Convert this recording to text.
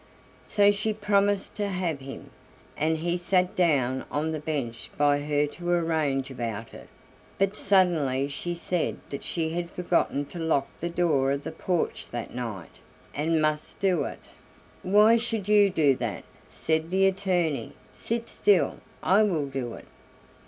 So she promised to have him, and he sat down on the bench by her to arrange about it, but suddenly she said that she had forgotten to lock the door of the porch that night, and must do it. "Why should you do that?" said the attorney; "sit still, I will do it."